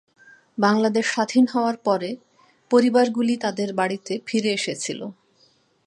বাংলাদেশ স্বাধীন হওয়ার পরে পরিবারগুলি তাদের বাড়িতে ফিরে এসেছিল।